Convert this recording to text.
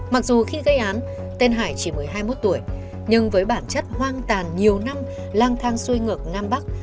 mặc dù khi gây án tên hải chỉ một mươi hai mươi một tuổi nhưng với bản chất hoang tàn nhiều năm lang thang xuôi ngược nam bắc